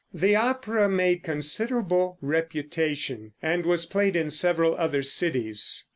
The opera made considerable reputation, and was played in several other cities.